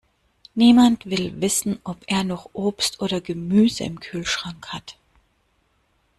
Niemand will wissen, ob er noch Obst oder Gemüse im Kühlschrank hat.